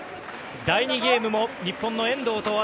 第２ゲームも日本の遠藤と渡